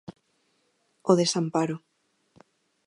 O desamparo.